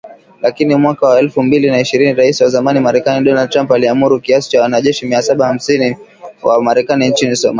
Lakini mwaka wa elfu mbili na ishirini Rais wa zamani Marekani Donald Trump aliamuru kiasi cha wanajeshi mia saba hamsini wa Marekani nchini Somalia.